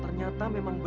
semoga sampai papahome